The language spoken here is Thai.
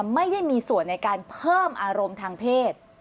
ไม่ได้มีส่วนในการเพิ่มอารมณ์ทางเพศ